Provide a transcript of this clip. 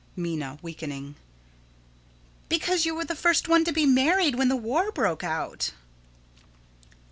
Minna: [Weakening.] Because you were the first one to be married when the war broke out.